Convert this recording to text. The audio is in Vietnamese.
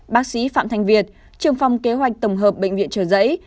bác sĩ phạm thanh việt trường phòng kế hoạch tổng hợp bệnh viện trở giấy